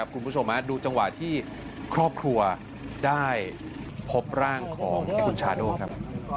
คุณผู้ชมดูจังหวะที่ครอบครัวได้พบร่างของคุณชาโน่ครับ